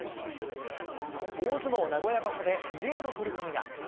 大相撲名古屋場所で異例の取組が。